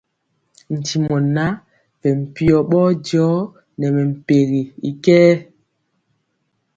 Ntimɔ ŋan, bɛ mpiɔ bɔjɔ nɛ mɛmpɛgi y kɛɛ.